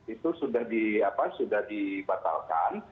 itu sudah dibatalkan